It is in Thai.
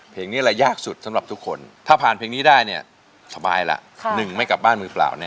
เพลงที่๑นะครับมูลค่า๑หมื่นบาท